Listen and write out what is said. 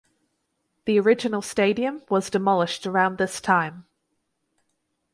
The original stadium was demolished around this time.